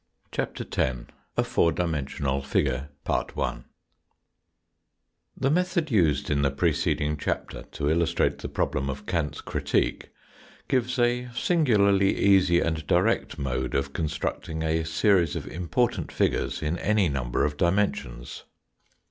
CHAPTER X A FOUR DIMENSIONAL FIGURE THE method used in the preceding chapter to illustrate the problem of Kant's critique, gives a singularly easy and direct mode of constructing a series of important figures in any number of dimensions.